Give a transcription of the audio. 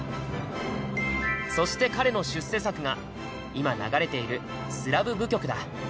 そして彼の出世作が今流れている「スラブ舞曲」だ。